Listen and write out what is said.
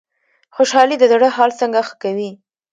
خوشحالي د زړه حال څنګه ښه کوي؟